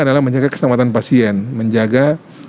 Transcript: adalah menjaga keselamatan pasien menjaga